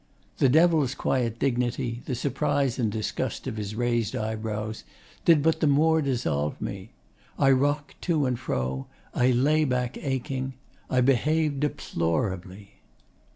The Devil's quiet dignity, the surprise and disgust of his raised eyebrows, did but the more dissolve me. I rocked to and fro, I lay back aching. I behaved deplorably.